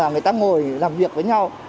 người ta ngồi làm việc với nhau